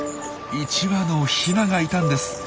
１羽のヒナがいたんです！